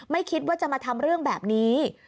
ไม่คิดว่าจะมาทำเรื่องแบบนี้